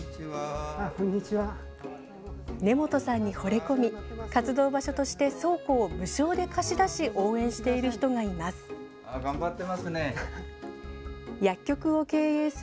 根本さんにほれ込み活動場所として倉庫を無償で貸し出し応援している人がいます。